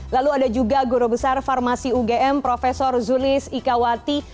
lalu ada juga guru besar farmasi ugm prof zulis ikawati